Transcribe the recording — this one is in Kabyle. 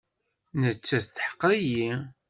Nettat teḥqer-iyi.